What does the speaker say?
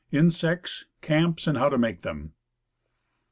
INSECTS. CAMPS, AND HOW TO MAKE THEM.